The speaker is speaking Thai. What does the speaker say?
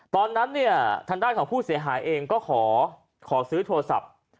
ตอนนั้นเนี่ยทางด้านของผู้เสียหายเองก็ขอซื้อโทรศัพท์